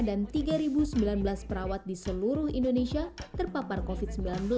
dan tiga sembilan belas perawat di seluruh indonesia terpapar covid sembilan belas